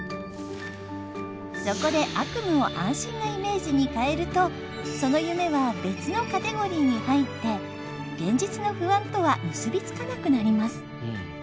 そこで悪夢を安心なイメージに変えるとその夢は別のカテゴリーに入って現実の不安とは結び付かなくなります。